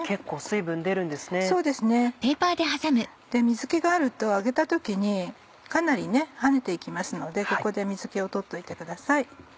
水気があると揚げた時にかなり跳ねて行きますのでここで水気を取っといてください。